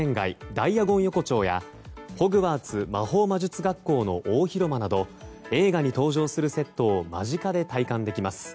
ダイアゴン横丁やホグワーツ魔法魔術学校の大広間など映画に登場するセットを間近で体感できます。